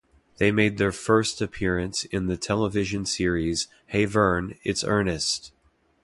They made their first appearance in the television series Hey Vern, It's Ernest!